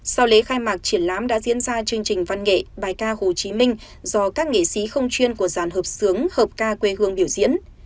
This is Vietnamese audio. sau lễ khai mạc triển lãm đã diễn ra chương trình văn nghệ bài ca hồ chí minh do các nghệ sĩ không chuyên của giàn hợp sướng hợp ca quê hương biểu diễn